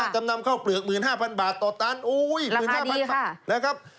จำนำข้าวเปลือก๑๕๐๐๐บาทต่อตันราคาดีค่ะ